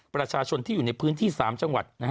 ประชาชนที่อยู่ในพื้นที่๓จังหวัด